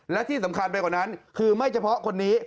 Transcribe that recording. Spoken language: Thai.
และที่สำคัญไปกว่านั้นคือไม่เฉพาะคนนี้